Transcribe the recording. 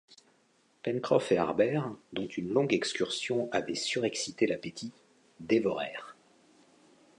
Pencroff et Harbert, dont une longue excursion avait surexcité l’appétit, dévorèrent